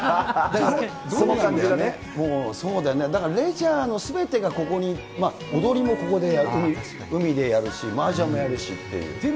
だからそうだよね、レジャーのすべてがここに、踊りもここでやる、海でやるし、マージャンもやるしっていう。